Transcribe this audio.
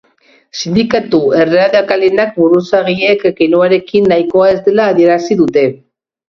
Sindikatu erradikalenen buruzagiek keinuarekin nahikoa ez dela adierazi dute.